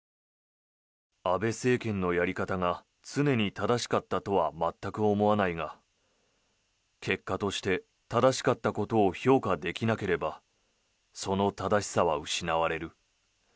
安倍政権のやり方が常に正しかったとは全く思わないが結果として正しかったことを評価できなければその正しさは失われる。